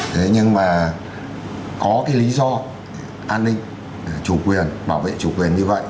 thế nhưng mà có cái lý do an ninh chủ quyền bảo vệ chủ quyền như vậy